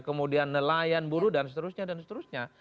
kemudian nelayan buruh dan seterusnya